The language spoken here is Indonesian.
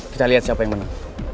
kita lihat siapa yang menang